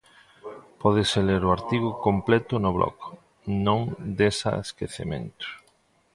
Pódese ler o artigo completo no blog Non des a esquecemento.